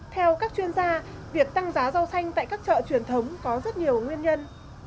theo các chuyên gia việc tăng giá rau xanh tại các chợ truyền thống có rất nhiều nguyên nhân